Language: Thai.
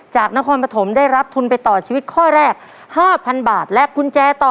นครปฐมได้รับทุนไปต่อชีวิตข้อแรก๕๐๐๐บาทและกุญแจต่อ